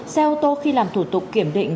xe ô tô khi làm thủ tục kiểm định